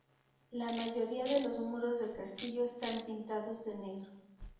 La mayoría de los muros del castillo están pintadas de negro.